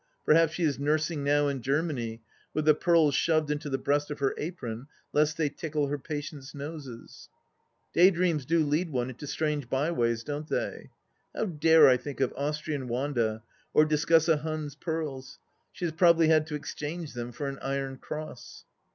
Perhaps she is nursing now in Germany, with the pearls shoved into the breast of her apron lest they tickle her patients' noses ! Day dreams do lead one into strange byways, don't they ? How dare I think of Austrian Wanda or discuss a Hun's pearls ? She has probably had to exchange them for an Iron Cross.